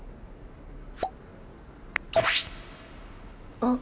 あっ